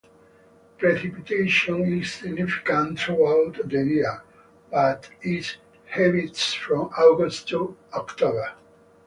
Precipitation is significant throughout the year, but is heaviest from August to October.